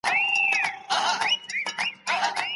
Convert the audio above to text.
د صفوي او عثماني واکمنانو ترمنځ سخته دښمني وه.